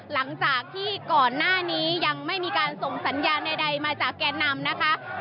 หลังจากที่ก่อนหน้านี้ยังไม่มีการส่งสัญญาณใดมาจากแก่นำนะคะ